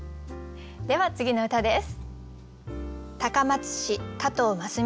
では次の歌です。